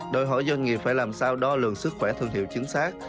đòi hỏi doanh nghiệp phải làm sao đo lường sức khỏe thương hiệu chính xác